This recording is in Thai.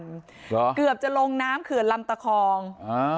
เหรอเกือบจะลงน้ำเขื่อนลำตะคองอ่า